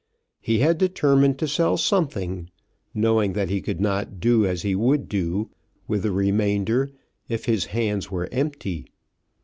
He had determined to sell something, knowing that he could not do as he would do with the remainder if his hands were empty.